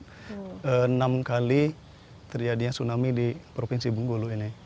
tersyarat enam kali terjadinya tsunami di provinsi bunggulu ini